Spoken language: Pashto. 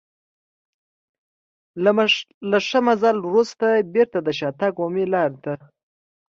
له ښه مزل وروسته بېرته د شاتګ عمومي لارې ته.